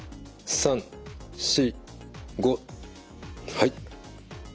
はい。